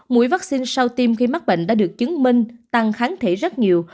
mũi vaccine sau tiêm khi mắc bệnh đã được chứng minh tăng kháng thể rất nhiều